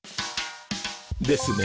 ですね。